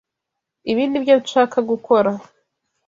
Ibi nibyo nshaka gukora.